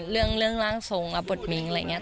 เรื่องร่างทรงรับบทมิ้งอะไรอย่างนี้